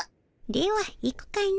では行くかの。